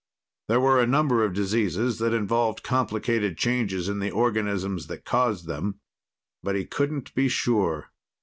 There were a number of diseases that involved complicated changes in the organisms that caused them. But he couldn't be sure.